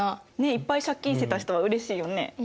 いっぱい借金してた人はうれしいよね。